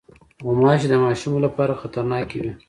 غوماشې د ماشومو لپاره خطرناکې وي.